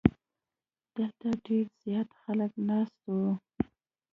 دلته ډیر زیات خلک ناست وو.